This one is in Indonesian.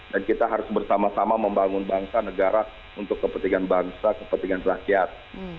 dan kita harus bersama sama membangun bangsa negara untuk kepentingan bangsa kepentingan rakyat